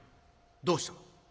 「どうした？」。